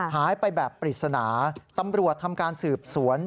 หายไปแบบปริศนาตำรวจทำการสืบสวน